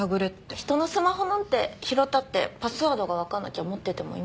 人のスマホなんて拾ったってパスワードがわかんなきゃ持ってても意味ないし。